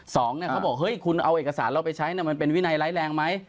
เขาบอกเฮ้ยคุณเอาเอกสารเราไปใช้มันเป็นวินัยร้ายแรงไหม